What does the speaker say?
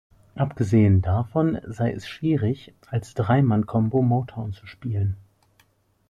Abgesehen davon sei es schwierig, als Drei-Mann-Combo Motown zu spielen.